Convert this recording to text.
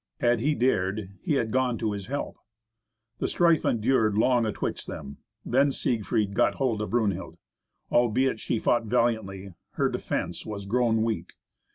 Had he dared, he had gone to his help. The strife endured long atwixt them. Then Siegfried got hold of Brunhild. Albeit she fought valiantly, her defence was grown weak.